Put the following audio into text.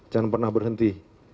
jangan pernah berhenti